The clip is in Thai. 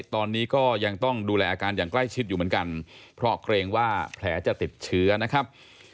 ตอนนี้ก็ยังต้องดูแลอาการอย่างใกล้ชิดอยู่เหมือนกันเพราะเกรงว่าแผลจะติดเชื้อนะครับ